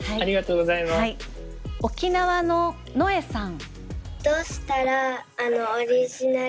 沖縄ののえさん。